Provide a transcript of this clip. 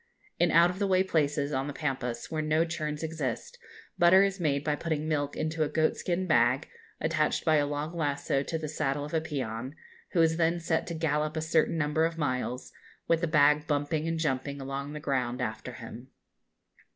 In out of the way places, on the Pampas, where no churns exist, butter is made by putting milk into a goat skin bag, attached by a long lasso to the saddle of a peon, who is then set to gallop a certain number of miles, with the bag bumping and jumping along the ground after him.